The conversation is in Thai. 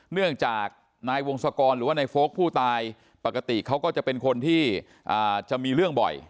เนื่องจากนายวงศกรหรือว่าในโฟลกผู้ตายปกติเขาก็จะเป็นคนที่จะมีเรื่องบ่อย